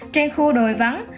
trên khu đồi vắng